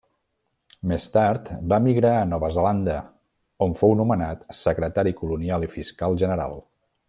Més tard va emigrar a Nova Zelanda on fou nomenat secretari colonial i fiscal general.